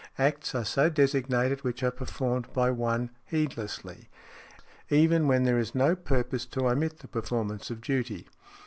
Acts are so designated which are performed by one heedlessly, even when there is no purpose to omit the performance of duty.